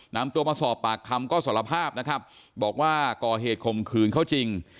นำตัวมาสอบปากคำก็สารภาพนะครับบอกว่าก่อเหตุข่มขืนเขาจริง